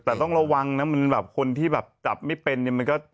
แต่ต้องระวังนะมันแบบคนที่แบบจับไม่เป็นเนี่ยมันก็